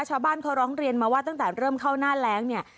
ชาวบ้านเขาร้องเรียนมาว่าตั้งแต่เริ่มเข้าหน้าแรงเนี่ย